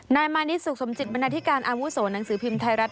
นายมานิดสุขสมจิตบรรณาธิการอาวุโสหนังสือพิมพ์ไทยรัฐ